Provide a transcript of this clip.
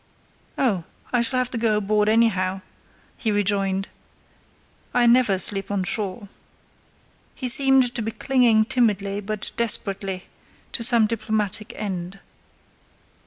"Oh, I shall have to go aboard anyhow," he rejoined; "I never sleep on shore." He seemed to be clinging timidly, but desperately, to some diplomatic end.